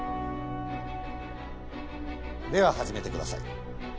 では始めてください。